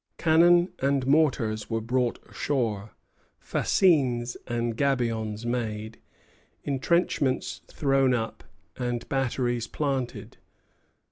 Cannon and mortars were brought ashore, fascines and gabions made, intrenchments thrown up, and batteries planted.